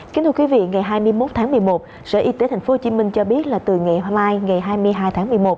kính thưa quý vị ngày hai mươi một tháng một mươi một sở y tế tp hcm cho biết là từ ngày hôm nay ngày hai mươi hai tháng một mươi một